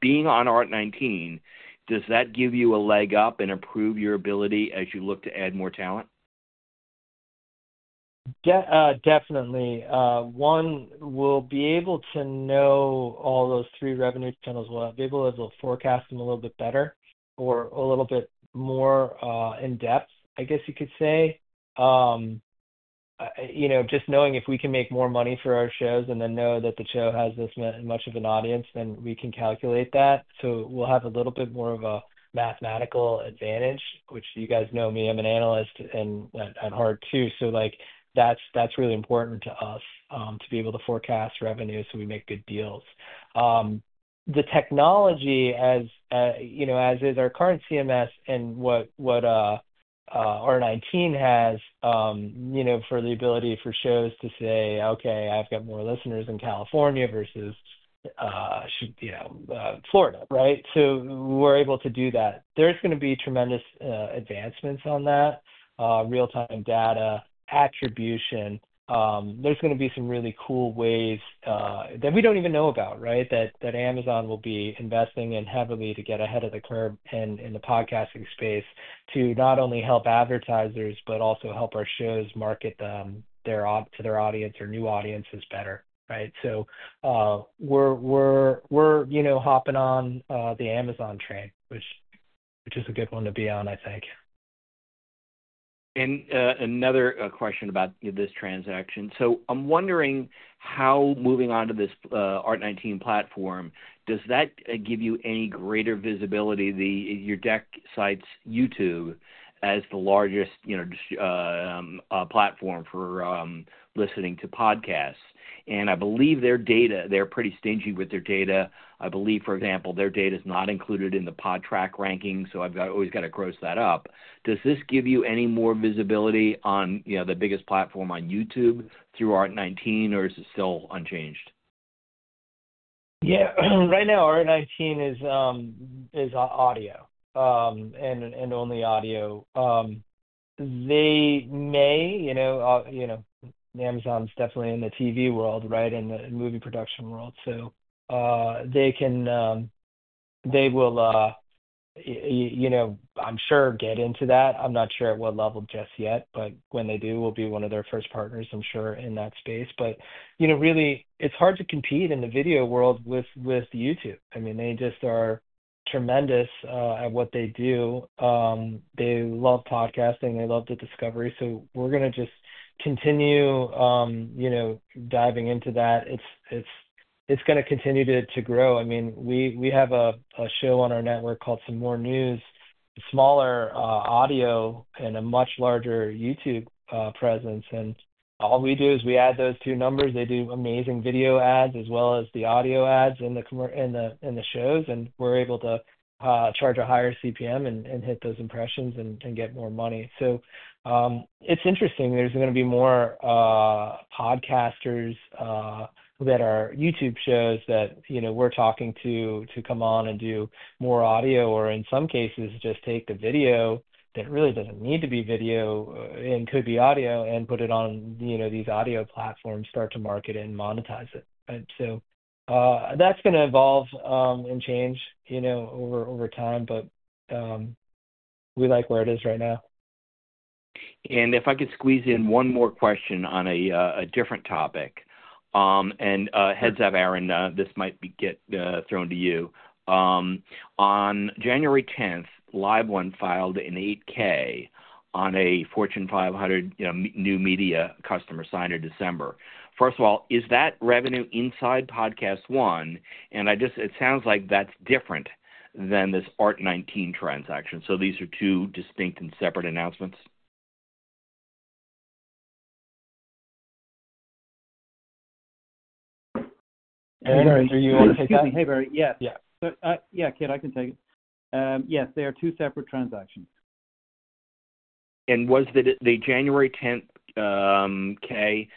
being on Art19. Does that give you a leg up and improve your ability as you look to add more talent? Definitely. One, we'll be able to know all those three revenue channels well. I'll be able to forecast them a little bit better or a little bit more in-depth, I guess you could say. Just knowing if we can make more money for our shows and then know that the show has this much of an audience, then we can calculate that. So we'll have a little bit more of a mathematical advantage, which you guys know me. I'm an analyst at heart too. So that's really important to us to be able to forecast revenue so we make good deals. The technology, as is our current CMS and what Art19 has for the ability for shows to say, "Okay, I've got more listeners in California versus Florida," right? So we're able to do that. There's going to be tremendous advancements on that, real-time data attribution. There's going to be some really cool ways that we don't even know about, right, that Amazon will be investing in heavily to get ahead of the curve in the podcasting space to not only help advertisers, but also help our shows market them to their audience or new audiences better, right? So we're hopping on the Amazon train, which is a good one to be on, I think. And another question about this transaction. So I'm wondering how moving on to this Art19 platform, does that give you any greater visibility? Your deck cites YouTube as the largest platform for listening to podcasts. And I believe their data, they're pretty stingy with their data. I believe, for example, their data is not included in the Podtrac ranking. So I've always got to gross that up. Does this give you any more visibility on the biggest platform on YouTube through Art19, or is it still unchanged? Right now, Art19 is audio and only audio. They may. Amazon's definitely in the TV world, right, and the movie production world. So they will, I'm sure, get into that. I'm not sure at what level just yet, but when they do, we'll be one of their first partners, I'm sure, in that space. But really, it's hard to compete in the video world with YouTube. I mean, they just are tremendous at what they do. They love podcasting. They love the discovery. So we're going to just continue diving into that. It's going to continue to grow. I mean, we have a show on our network called Some More News, smaller audio, and a much larger YouTube presence. And all we do is we add those two numbers. They do amazing video ads as well as the audio ads in the shows. And we're able to charge a higher CPM and hit those impressions and get more money. So it's interesting. There's going to be more podcasters that are YouTube shows that we're talking to come on and do more audio or, in some cases, just take the video that really doesn't need to be video and could be audio and put it on these audio platforms, start to market it and monetize it. So that's going to evolve and change over time, but we like where it is right now. And if I could squeeze in one more question on a different topic. And heads up, Aaron, this might get thrown to you. On January 10th, LiveOne filed an 8-K on a Fortune 500 new media customer signed in December. First of all, is that revenue inside PodcastOne? And it sounds like that's different than this Art19 transaction. So these are two distinct and separate announcements. Aaron, are you able to take that? Barry. Kit, I can take it. Yes, they are two separate transactions. And was the January 10th 8-K,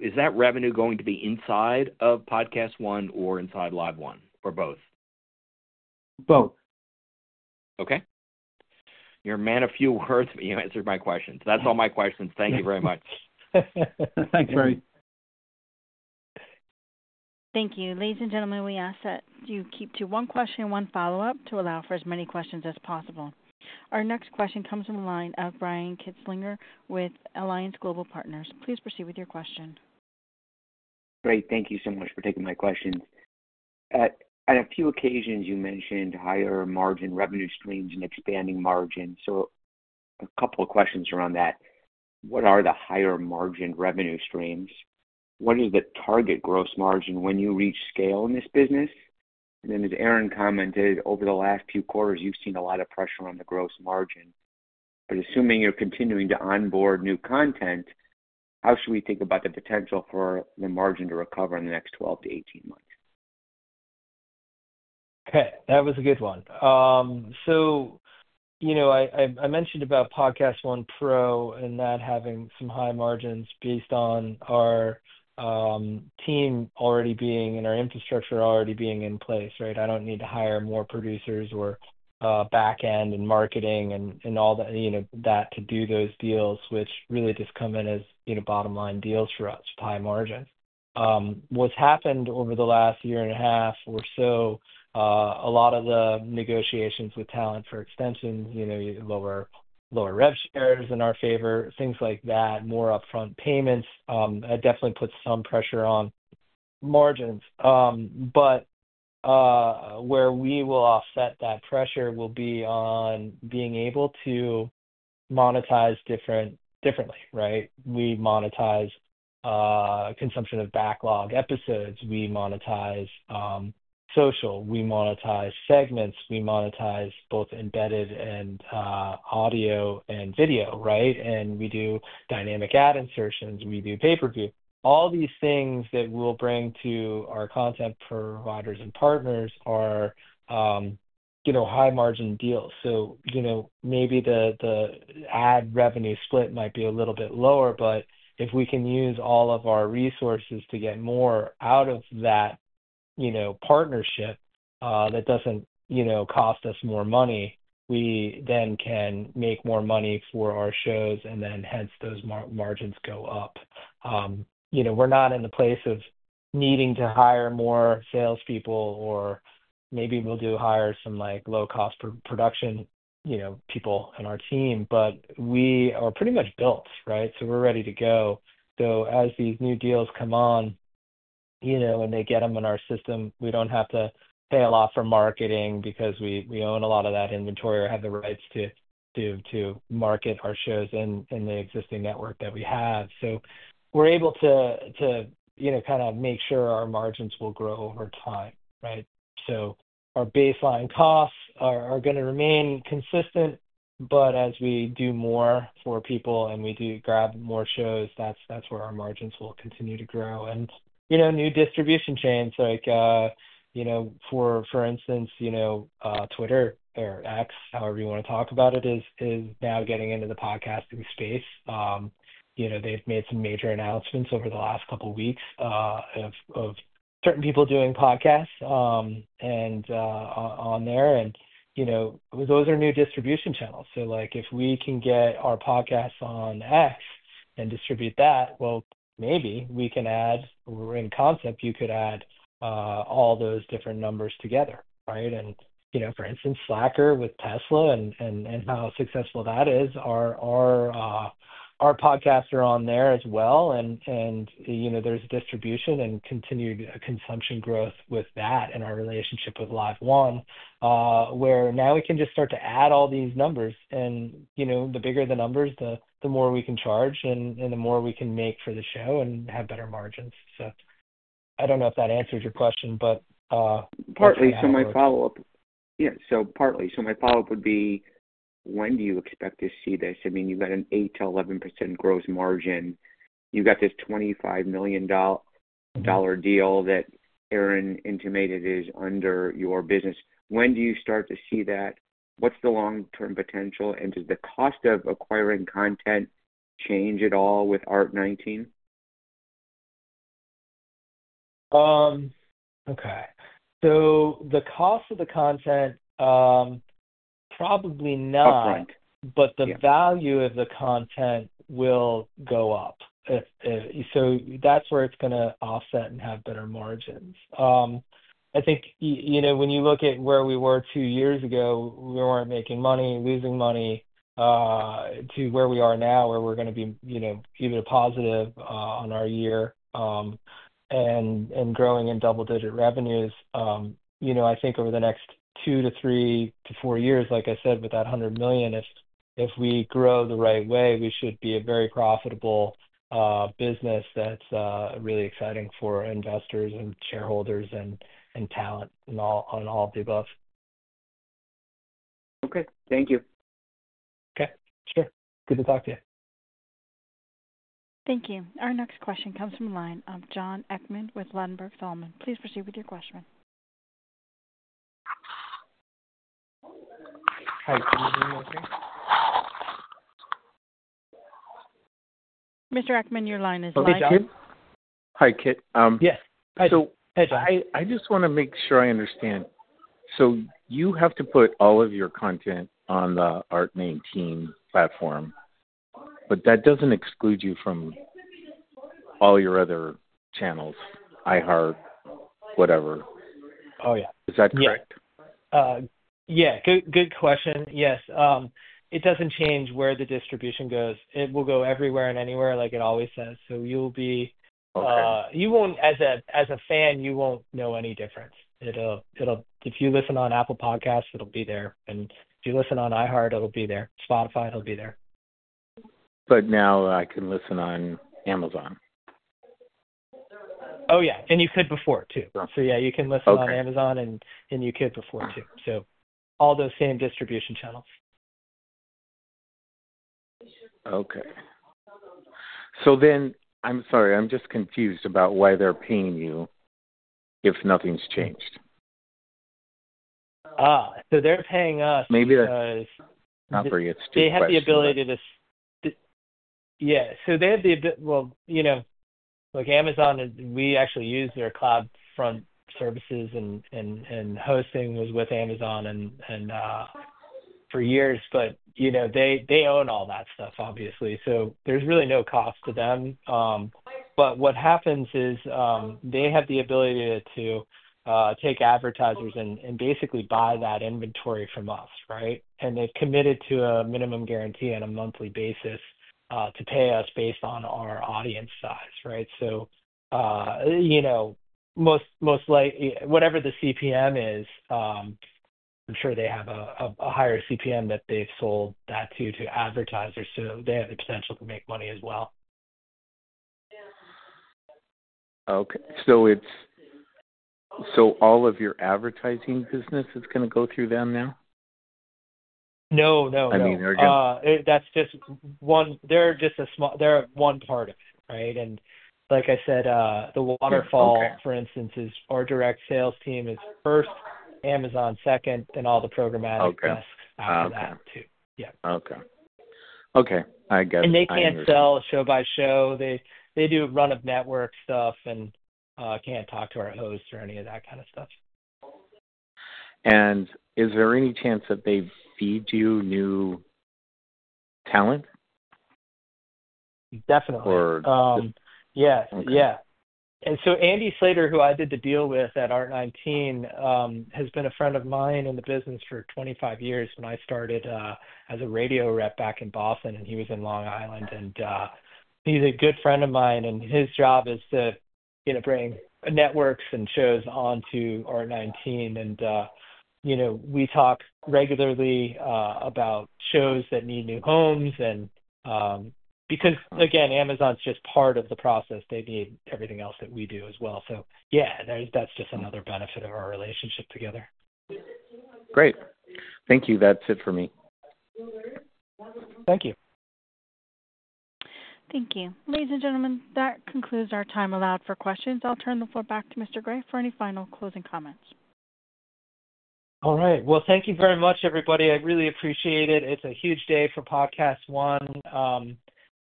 is that revenue going to be inside of PodcastOne or inside LiveOne or both? Both. Okay. You're a man of few words, but you answered my questions. That's all my questions. Thank you very much. Thanks, Barry. Thank you. Ladies and gentlemen, we ask that you keep to one question and one follow-up to allow for as many questions as possible. Our next question comes from the line of Brian Kinstlinger with Alliance Global Partners. Please proceed with your question. Great. Thank you so much for taking my questions. On a few occasions, you mentioned higher margin revenue streams and expanding margins. So a couple of questions around that. What are the higher margin revenue streams? What is the target gross margin when you reach scale in this business? And then, as Aaron commented, over the last few quarters, you've seen a lot of pressure on the gross margin. But assuming you're continuing to onboard new content, how should we think about the potential for the margin to recover in the next 12 to 18 months? Okay. That was a good one. So I mentioned about PodcastOne Pro and that having some high margins based on our team already being and our infrastructure already being in place, right? I don't need to hire more producers or backend and marketing and all that to do those deals, which really just come in as bottom-line deals for us with high margins. What's happened over the last year and a half or so, a lot of the negotiations with talent for extensions, lower rev shares in our favor, things like that, more upfront payments, definitely put some pressure on margins. But where we will offset that pressure will be on being able to monetize differently, right? We monetize consumption of backlog episodes. We monetize social. We monetize segments. We monetize both embedded and audio and video, right? And we do dynamic ad insertions. We do pay-per-view. All these things that we'll bring to our content providers and partners are high-margin deals. So maybe the ad revenue split might be a little bit lower, but if we can use all of our resources to get more out of that partnership that doesn't cost us more money, we then can make more money for our shows, and then hence those margins go up. We're not in the place of needing to hire more salespeople, or maybe we'll do hire some low-cost production people on our team, but we are pretty much built, right? So we're ready to go. So as these new deals come on and they get them in our system, we don't have to pay a lot for marketing because we own a lot of that inventory or have the rights to market our shows in the existing network that we have. So we're able to kind of make sure our margins will grow over time, right? So our baseline costs are going to remain consistent, but as we do more for people and we do grab more shows, that's where our margins will continue to grow, and new distribution chains, for instance, Twitter or X, however you want to talk about it, are now getting into the podcasting space. They have made some major announcements over the last couple of weeks of certain people doing podcasts on there, and those are new distribution channels. If we can get our podcasts on X and distribute that, well, maybe we can add, or in concept, you could add all those different numbers together, right, and for instance, Slacker with Tesla and how successful that is, our podcasts are on there as well, and there's distribution and continued consumption growth with that and our relationship with LiveOne, where now we can just start to add all these numbers. The bigger the numbers, the more we can charge and the more we can make for the show and have better margins. So I don't know if that answers your question, but. Partly. So my follow-up would be, when do you expect to see this? I mean, you've got an 8%-11% gross margin. You've got this $25 million deal that Aaron intimated is under your business. When do you start to see that? What's the long-term potential? And does the cost of acquiring content change at all with Art19? Okay. So the cost of the content probably not. But the value of the content will go up. So that's where it's going to offset and have better margins. I think when you look at where we were two years ago, we weren't making money, losing money to where we are now, where we're going to be even a positive on our year and growing in double-digit revenues. I think over the next two to three to four years, like I said, with that 100 million, if we grow the right way, we should be a very profitable business that's really exciting for investors and shareholders and talent and all of the above. Okay. Thank you. Okay. Sure. Good to talk to you. Thank you. Our next question comes from the line of Jon Hickman with Ladenburg Thalmann. Please proceed with your question. Hi. Can you hear me okay? Mr. Hickman, your line is live now. Hi, Kit. Hi, Kit. Yes. Hi. So I just want to make sure I understand. So you have to put all of your content on the Art19 platform, but that doesn't exclude you from all your other channels, iHeart, whatever. Is that correct? Good question. Yes. It doesn't change where the distribution goes. It will go everywhere and anywhere, like it always says. So you won't, as a fan, you won't know any difference. If you listen on Apple Podcasts, it'll be there. And if you listen on iHeart, it'll be there. Spotify, it'll be there. But now I can listen on Amazon? And you could before too. So you can listen on Amazon and you could before too. So all those same distribution channels. Okay. So then, I'm sorry, I'm just confused about why they're paying you if nothing's changed. So they're paying us because. Maybe that's not for you. It's too fast. They have the ability to. So they have the ability, well, like Amazon, we actually use their CloudFront services and hosting was with Amazon for years, but they own all that stuff, obviously. So there's really no cost to them. But what happens is they have the ability to take advertisers and basically buy that inventory from us, right? And they've committed to a minimum guarantee on a monthly basis to pay us based on our audience size, right? So whatever the CPM is, I'm sure they have a higher CPM that they've sold that to advertisers. So they have the potential to make money as well. Okay. So all of your advertising business is going to go through them now? No, no, no. I mean, they're just. That's just one. They're just a small. They're one part of it, right? And like I said, the waterfall, for instance, or direct sales team is first, Amazon second, and all the programmatic desk after that too. Okay. I get it. And they can't sell show-by-show. They do run-of-network stuff and can't talk to our host or any of that kind of stuff. And is there any chance that they feed you new talent? Definitely. Or some. Yes. And so Andy Slater, who I did the deal with at Art19, has been a friend of mine in the business for 25 years when I started as a radio rep back in Boston, and he was in Long Island. And he's a good friend of mine, and his job is to bring networks and shows onto Art19. And we talk regularly about shows that need new homes. Because, again, Amazon's just part of the process, they need everything else that we do as well. That's just another benefit of our relationship together. Great. Thank you. That's it for me. Thank you. Thank you. Ladies and gentlemen, that concludes our time allowed for questions. I'll turn the floor back to Mr. Gray for any final closing comments. All right. Thank you very much, everybody. I really appreciate it. It's a huge day for PodcastOne.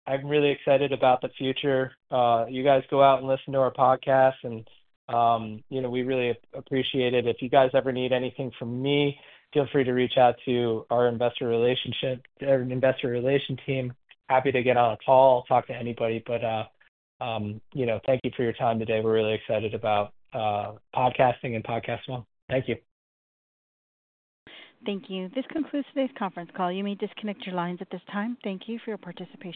I'm really excited about the future. You guys go out and listen to our podcast, and we really appreciate it. If you guys ever need anything from me, feel free to reach out to our investor relations team. Happy to get on a call, talk to anybody. Thank you for your time today. We're really excited about podcasting and PodcastOne. Thank you. Thank you. This concludes today's conference call. You may disconnect your lines at this time. Thank you for your participation.